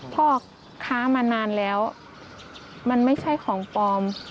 พ่อค้ามานานแล้วมันไม่ใช่ของปลอม